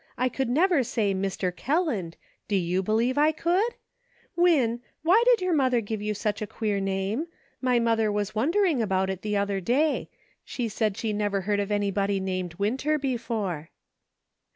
I could never say ' Mr. Kelland ;' do you believe I could ? Win, why did your mother give you such a queer name .? My mother was wondering about EIGHT AND TWELVE. 7 it the Other day. She said she never heard of any body named Winter before."